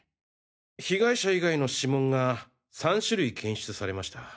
被害者以外の指紋が３種類検出されました。